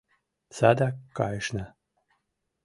— Садак кайышна.